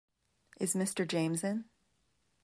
Is Mr. James in?